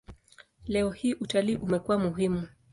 Leo hii utalii umekuwa muhimu.